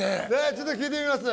ちょっと聞いてみます